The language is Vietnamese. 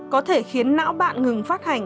có thể khiến não bạn ngừng phát hành